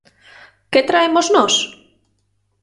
¿Que traemos nós?